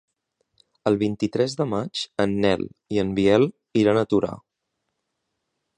El vint-i-tres de maig en Nel i en Biel iran a Torà.